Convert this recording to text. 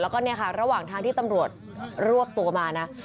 แล้วก็เนี่ยค่ะระหว่างทางที่ตำรวจรวบตัวมานะ